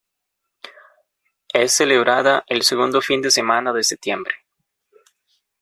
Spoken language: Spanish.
Es celebrada el segundo fin de semana de septiembre.